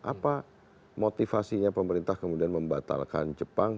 apa motivasinya pemerintah kemudian membatalkan jepang